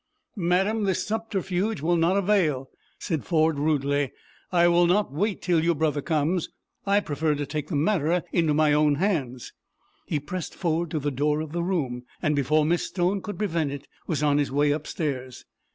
"Madam, this subterfuge will not avail," said Ford, rudely. "I will not wait till your brother comes. I prefer to take the matter into my own hands." He pressed forward to the door of the room, and before Miss Stone could prevent it, was on his way upstairs.